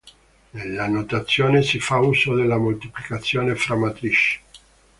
Nella notazione si fa uso della moltiplicazione fra matrici.